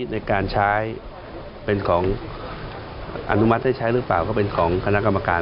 ในการใช้เป็นของอนุมัติให้ใช้หรือเปล่าก็เป็นของคณะกรรมการ